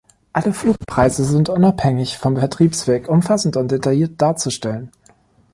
Alle Flugpreise sind unabhängig vom Vertriebsweg umfassend und detailliert darzustellen.